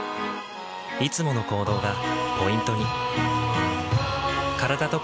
いつもの行動がポイントに。